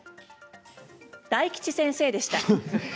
大吉先生でした。